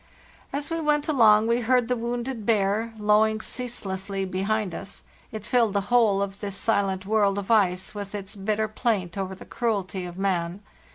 " As we went along we heard the wounded bear low ing ceaselessly behind us; it filled the whole of this si lent world of ice with its bitter plaint over the cruelty of man.